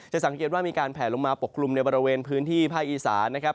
สังเกตว่ามีการแผลลงมาปกคลุมในบริเวณพื้นที่ภาคอีสานนะครับ